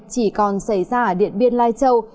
chỉ còn xảy ra ở điện biên lai châu